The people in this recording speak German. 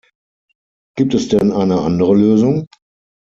Gibt es denn eine andere Lösung?